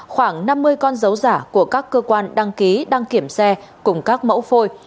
khoảng năm mươi con dấu giả của các cơ quan đăng ký đăng kiểm xe cùng các mẫu phôi